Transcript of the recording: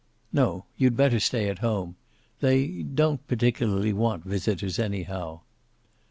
"No. You'd better stay at home. They don't particularly want visitors, anyhow."